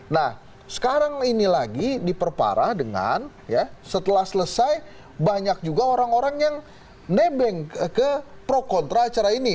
nah sekarang ini lagi diperparah dengan ya setelah selesai banyak juga orang orang yang nebeng ke pro kontra acara ini